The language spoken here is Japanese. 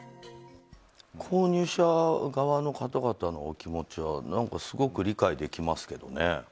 購入者側の方々のお気持ちは何かすごく理解できますけどね。